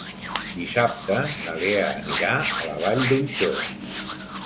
Dissabte na Lea anirà a la Vall d'Uixó.